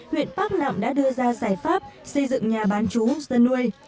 huyện bắc nẵm đã đưa ra giải pháp xây dựng nhà bán chú dân nuôi